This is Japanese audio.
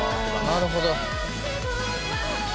なるほど。